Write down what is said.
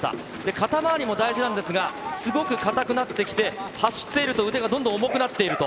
肩まわりも大事なんですが、すごく硬くなってきて、走っていると腕がどんどん重くなっていると。